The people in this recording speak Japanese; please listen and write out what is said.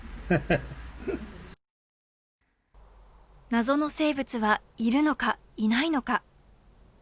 謎の生物はいるのか、いないのか。